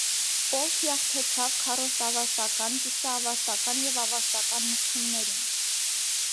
Պոլթ յաղթեցաւ քառորդաւարտական, կիսաւարտական, եւ աւարտական մրցումներուն։